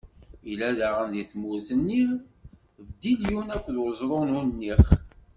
Illa daɣen di tmurt-nni, bdilyum akked uẓru n Unix.